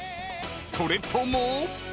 ［それとも］